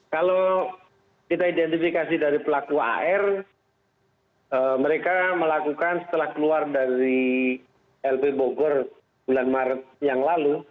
kalau kita identifikasi dari pelaku ar mereka melakukan setelah keluar dari lp bogor bulan maret yang lalu